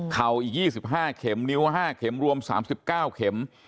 อีก๒๕เข็มนิ้ว๕เข็มรวม๓๙เข็ม